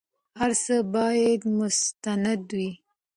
هر څه بايد مستند وي.